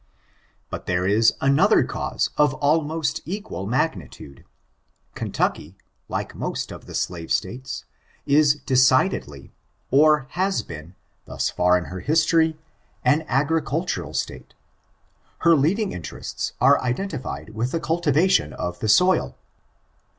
But there is another cause of almost equal magnitude. Kentucky, like most of the slave States, is decidedly, or has been, thus far in her history, an agricultural State. Her leading interests are indentified with the cultivation of tho soil.